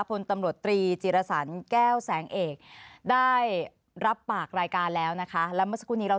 พลตำรวจตรีจิรสันแก้วแสงเอกได้รับปากรายการแล้วนะคะแล้วเมื่อสักครู่นี้เรา